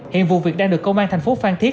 hiện vụ việc đang được công an thành phố phan thiết